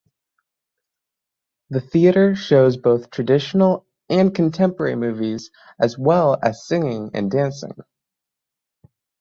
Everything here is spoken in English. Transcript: The theatre shows both traditional and contemporary movies as well as singing and dancing.